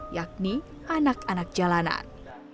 yakni anak anak jalanan